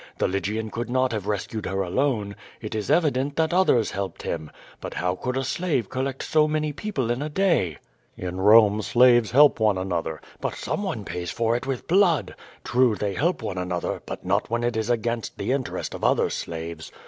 The Lygian could not have rescued her alone. It is evident that others helped him. But how could a slave collect so many people in a day?'' "In Rome slaves help one anotlier." "But someone pays for it with blood. True, they help one another, but not when it is against the interest of other slaves.